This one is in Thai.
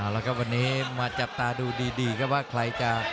แล้วครับวันนี้มาจับตาดูดีครับว่าใครจะ